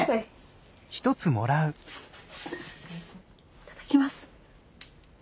いただきます。